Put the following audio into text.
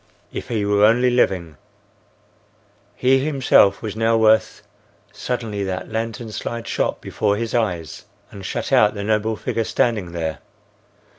If he were only living! He himself was now worth—! Suddenly that lantern slide shot before his eyes and shut out the noble figure standing there.